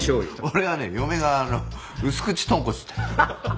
俺はね嫁が薄口とんこつって。